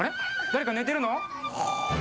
誰か寝てるの？